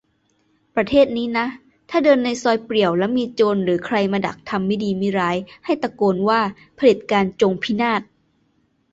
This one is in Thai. "ประเทศนี้นะถ้าเดินในซอยเปลี่ยวแล้วมีโจรหรือใครมาดักทำมิดีมิร้าย ให้ตะโกนว่า "เผด็จการจงพินาศ